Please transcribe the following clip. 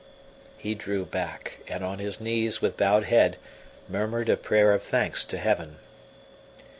He drew back, and on his knees, with bowed head, murmured a prayer of thanks to Heaven.